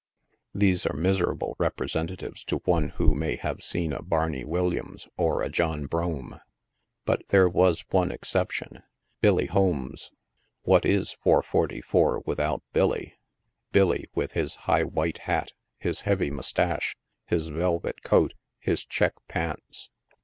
These are miserable representatives to one who may have seen a Barney Williams or a John Brougham. But there was one exception : Billy Holmes. What is 444 without Billy? — Billy with his high white hat, his heavy moustache, his velvet coat, his check pants